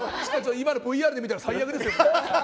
今のＶＡＲで見たら最悪ですよ。